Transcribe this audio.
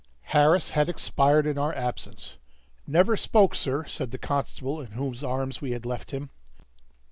Harris had expired in our absence. "Never spoke, sir," said the constable in whose arms we had left him.